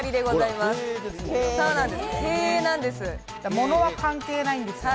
物は関係ないんですよ